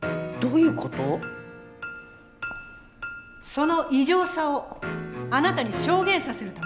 その異常さをあなたに証言させるためです。